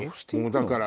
だから。